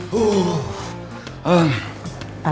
putri udah sampe puncak belum ya